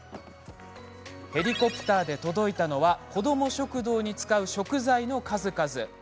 ヘリコプターで届いたのは子ども食堂に使う食材の数々。